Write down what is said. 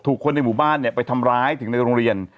คนในหมู่บ้านไปทำร้ายถึงในโรงเรียน